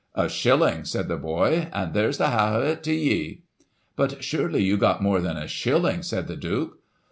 'A shilHng,' said the boy, 'an' there's the half o't to ye.' *But, surely, you got more than a shilling,' said the Duke.